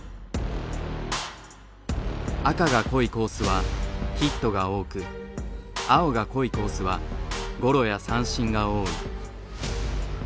赤が濃いコースはヒットが多く青が濃いコースはゴロや三振が多い。